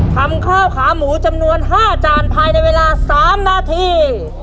ทำข้าวขาหมูจำนวน๕จานภายในเวลา๓นาที